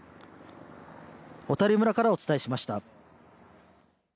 小谷村からお伝えしました。